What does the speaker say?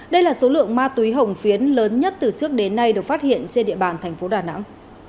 đây là số lượng ma túy hồng phiến lớn nhất từ trước đến nay được phát hiện trên địa bàn thành phố đà nẵng